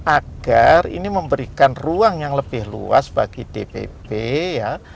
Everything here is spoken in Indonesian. agar ini memberikan ruang yang lebih luas bagi dpp ya